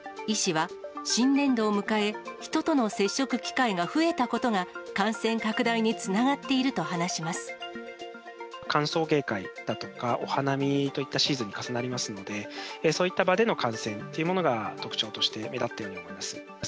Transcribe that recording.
医師は、新年度を迎え、人との接触機会が増えたことが、感染拡大につながっていると話し歓送迎会だとか、お花見といったシーズンに重なりますので、そういった場での感染というものが特徴として目立ったように思います。